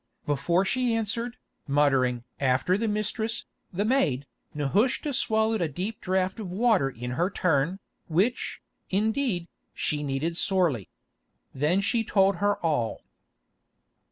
Before she answered, muttering "After the mistress, the maid," Nehushta swallowed a deep draught of water in her turn, which, indeed, she needed sorely. Then she told her all.